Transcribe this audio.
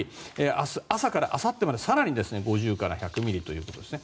明日朝からあさってまで更に５０から１００ミリということです。